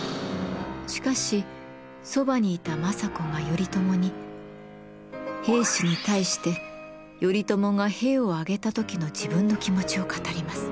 しかしそばにいた政子が頼朝に平氏に対して頼朝が兵を挙げた時の自分の気持ちを語ります。